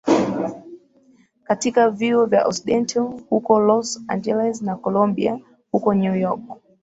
katika vyuo vya Occidental huko Los Angeles na Columbia huko New York